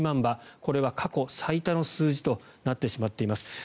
これは過去最多の数字となってしまっています。